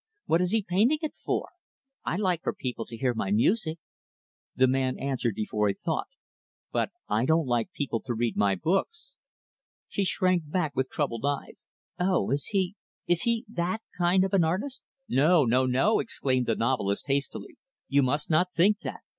"What is he painting it for? I like for people to hear my music." The man answered before he thought "But I don't like people to read my books." She shrank back, with troubled eyes, "Oh! is he is he that kind of an artist?" "No, no, no!" exclaimed the novelist, hastily. "You must not think that.